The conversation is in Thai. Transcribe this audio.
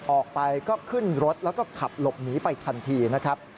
ออกไปก็ขึ้นรถแล้วก็ขับหลบหนีไปทันทีนะครับ